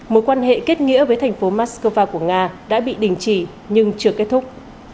mối quan hệ kết nghĩa với thành phố moscow của nga đã bị đình chỉ nhưng chưa kết thúc